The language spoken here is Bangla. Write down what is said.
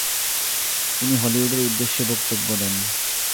তিনি হলিউডের উদ্দেশ্যে বক্তব্য দেন।